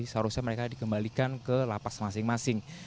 seharusnya mereka dikembalikan ke lapas masing masing